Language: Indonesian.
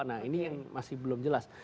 nah ini yang masih belum jelas